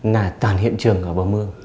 là toàn hiện trường ở bờ mương